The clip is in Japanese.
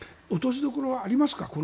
落としどころはありますか？